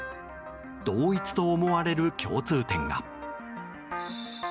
同一と思われる共通点が。